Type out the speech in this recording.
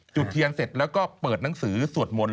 จุดเทียนเสร็จแล้วก็เปิดหนังสือสวดมนต์